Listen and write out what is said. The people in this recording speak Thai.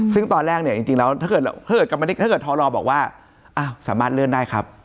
ซึ่งตอนแรกเนี่ยถ้าเกิดธรรมนิการบอกว่าสามารถเลื่อนได้ครับ